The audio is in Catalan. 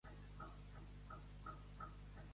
Per Sant Valentí, trascola ton vi.